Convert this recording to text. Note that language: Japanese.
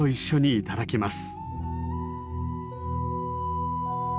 いただきます。